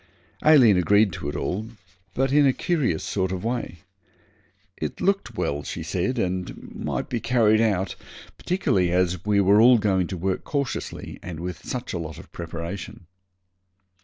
Aileen agreed to it all, but in a curious sort of way. 'It looked well,' she said, 'and might be carried out, particularly as we were all going to work cautiously and with such a lot of preparation.'